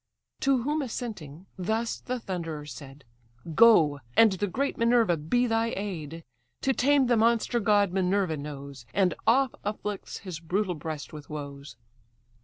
To whom assenting, thus the Thunderer said: "Go! and the great Minerva be thy aid. To tame the monster god Minerva knows, And oft afflicts his brutal breast with woes."